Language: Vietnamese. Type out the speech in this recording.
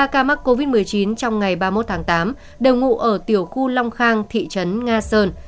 ba ca mắc covid một mươi chín trong ngày ba mươi một tháng tám đều ngụ ở tiểu khu long khang thị trấn nga sơn